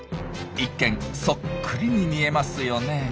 一見そっくりに見えますよね。